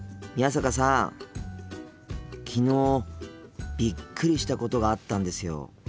昨日びっくりしたことがあったんですよ。